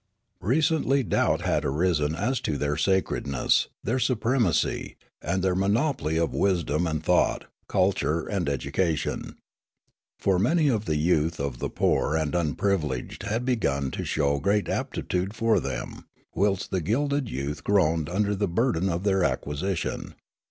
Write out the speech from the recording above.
Recently doubt had arisen as to their sacredness, their supremacy, and their monopoly of wisdom and thought, culture and education. For many of the youth of the poor and unprivileged had begun to show great aptitude for them, whilst the gilded youth groaned under the burden of their acquisition.